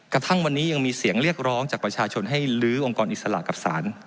กระทั่งวันนี้ยังมีเสียงเรียกร้องจากประชาชนให้ลื้อองค์กรอิสระกับศาล